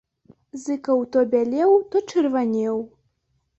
Зыкаў то бялеў, то чырванеў.